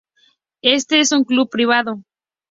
Este es un club privado.